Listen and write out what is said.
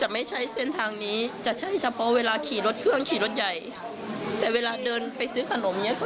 ไม่ใช่เหมือนถึงว่าเด็ก